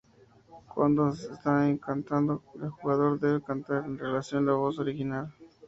Cuando se está cantando, el jugador debe cantar en relación a la voz original.